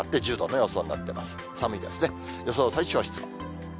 予想最小湿度。